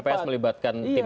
dari pps melibatkan timnya